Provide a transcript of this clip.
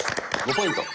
５ポイント。